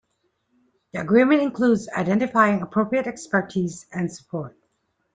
The agreement includes identifying appropriate expertise and support.